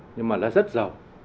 nhưng mà nó rất giàu